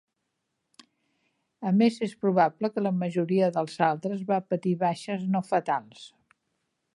A més, és probable que la majoria dels altres va patir baixes no fatals.